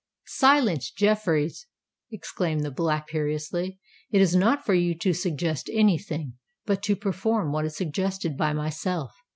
"Silence, Jeffreys!" exclaimed the Black imperiously: "it is not for you to suggest any thing—but to perform what is suggested by myself!